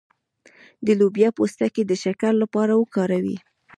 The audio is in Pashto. د لوبیا پوستکی د شکر لپاره وکاروئ